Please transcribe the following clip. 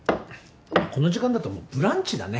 この時間だともうブランチだね。